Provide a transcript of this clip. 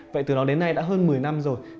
vậy từ đó đến nay đã hơn một mươi năm rồi